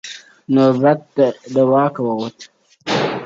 لا هم له پاڼو زرغونه پاته ده؛